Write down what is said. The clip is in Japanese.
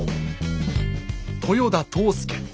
豊田藤助。